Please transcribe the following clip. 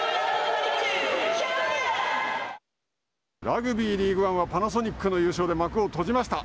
ラグビーリーグワンはパナソニックの優勝で幕を閉じました。